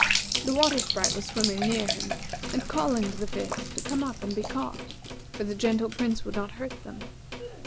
The Water Sprite was swimming near him, and calling to the fish to come up and be caught; for the gentle Prince would not hurt them.